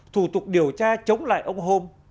thủ tục điều tra chống lại ông hôn